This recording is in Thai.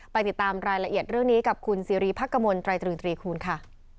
ไปติดตามรายละเอียดเรื่องนี้กับคุณซีรีพักกมลตรายตรึงตรีคูณค่ะ